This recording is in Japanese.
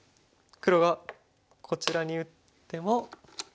黒がこちらに打っても。